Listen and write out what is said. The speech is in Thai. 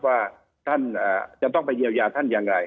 ว่าท่านจะต้องไปเยียวยาท่านอย่างไร